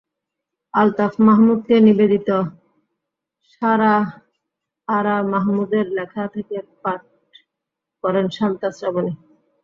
আলতাফ মাহমুদকে নিবেদিত সারা আরা মাহমুদের লেখা থেকে পাঠ করেন শান্তা শ্রাবণী।